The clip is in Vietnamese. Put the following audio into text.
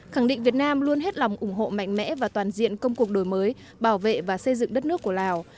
khẳng định việt nam luôn hết lòng ủng hộ mạnh mẽ và toàn diện công cuộc đổi mới bảo vệ và xây dựng đất nước của lào